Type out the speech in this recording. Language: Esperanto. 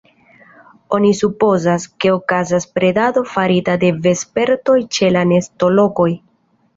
Oni supozas, ke okazas predado farita de vespertoj ĉe la nestolokoj.